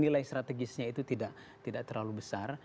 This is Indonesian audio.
nilai strategisnya itu tidak terlalu besar